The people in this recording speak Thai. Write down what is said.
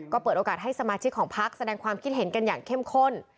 ก็เปิดโอกาสให้สมาชิกของพักแสดงความคิดเห็นกันอย่างเข้มข้น